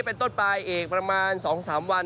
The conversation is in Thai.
เป็นต้นปลายอีกประมาณ๒๓วัน